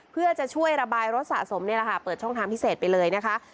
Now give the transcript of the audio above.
เพื่อจะช่วยระบายรถสะสมเปิดช่องทางพิเศษไปเลยนะคะ